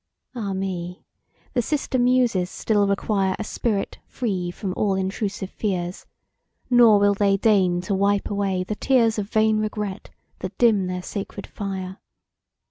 Ah me! the sister Muses still require A spirit free from all intrusive fears, Nor will they deign to wipe away the tears Of vain regret, that dim their sacred fire.